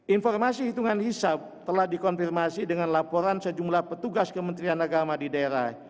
informasi hitungan hisap telah dikonfirmasi dengan laporan sejumlah petugas kementerian agama di daerah